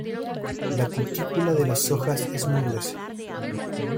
La cutícula de las hojas es muy gruesa.